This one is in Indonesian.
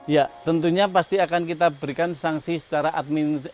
ya tentunya pasti akan kita berikan sanksi secara administratif